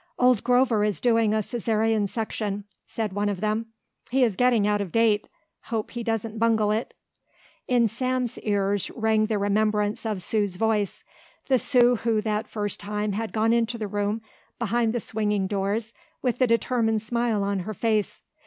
"Old Grover is doing a Caesarian section," said one of them; "he is getting out of date. Hope he doesn't bungle it." In Sam's ears rang the remembrance of Sue's voice, the Sue who that first time had gone into the room behind the swinging doors with the determined smile on her face.